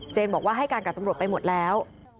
บอกว่าให้การกับตำรวจไปหมดแล้ว